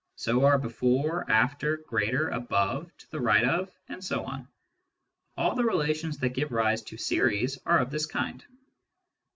So are before^ afier^ greater^ above^ to the right ofy etc. All the relations that give rise to series are of this kind.